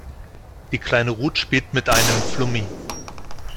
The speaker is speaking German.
Die kleine Ruth spielt mit einem Flummi.